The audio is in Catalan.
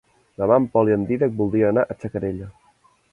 Demà en Pol i en Dídac voldrien anar a Xacarella.